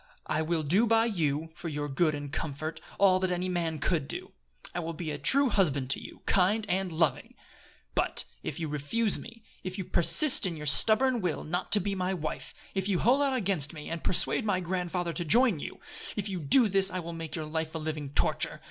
I will do by you, for your good and comfort, all that any man could do. I will be a true husband to you, kind and loving. But if you refuse me, if you persist in your stubborn will not to be my wife, if you hold out against me and persuade my grandfather to join you, if you do this I will make your life a living torture!